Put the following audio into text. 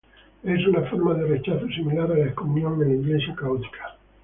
Es una forma de rechazo similar a la excomunión en la Iglesia católica.